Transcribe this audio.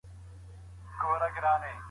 لمر د سهار له خوا راخېژي.